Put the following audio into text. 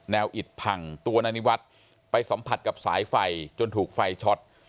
อิดพังตัวนายนิวัฒน์ไปสัมผัสกับสายไฟจนถูกไฟช็อต